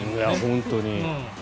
本当に。